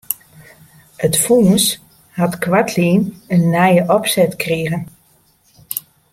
It fûns hat koartlyn in nije opset krigen.